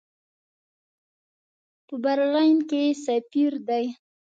په برلین کې سفیر دی.